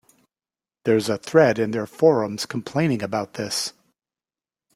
There's a thread in their forums complaining about this.